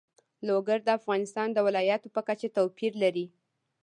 لوگر د افغانستان د ولایاتو په کچه توپیر لري.